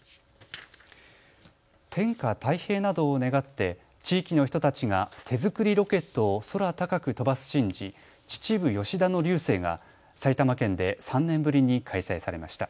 天下太平などを願って地域の人たちが手作りロケットを空高く飛ばす神事、秩父吉田の龍勢が埼玉県で３年ぶりに開催されました。